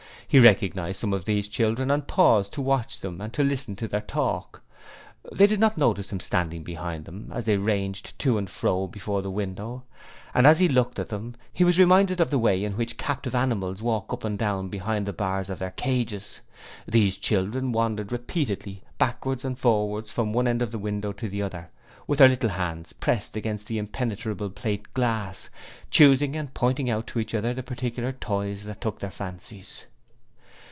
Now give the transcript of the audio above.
He recognized some of these children and paused to watch them and to listen to their talk. They did not notice him standing behind them as they ranged to and fro before the window, and as he looked at them, he was reminded of the way in which captive animals walk up and down behind the bars of their cages. These children wandered repeatedly, backwards and forwards from one end of the window to the other, with their little hands pressed against the impenetrable plate glass, choosing and pointing out to each other the particular toys that took their fancies.